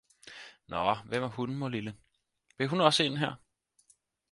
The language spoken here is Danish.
Nå, hvem er hun, morlille? Vil hun også ind her!